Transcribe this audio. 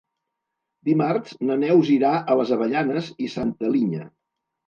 Dimarts na Neus irà a les Avellanes i Santa Linya.